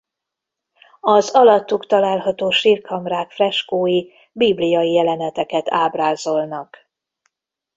Az alattuk található sírkamrák freskói bibliai jeleneteket ábrázolnak.